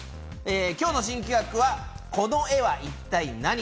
今日は新企画「この絵は一体ナニ！？」